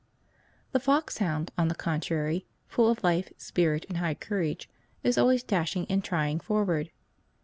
The foxhound, on the contrary, full of life, spirit, and high courage, is always dashing and trying forward.